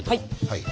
はい。